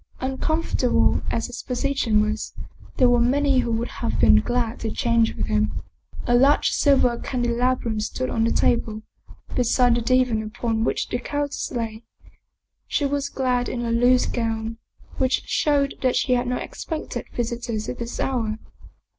Uncomfortable as his position was, there were many who would have been glad to change with him. A large silver candelabrum stood on the table, beside the divan upon which the countess lay. She was clad in a loose gown, which showed that she had not expected visitors at this hour.